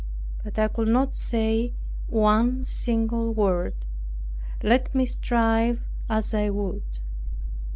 But I could not say one single word, let me strive as I would.